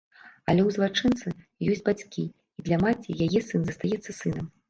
Але ў злачынцы ёсць бацькі, і для маці яе сын застаецца сынам.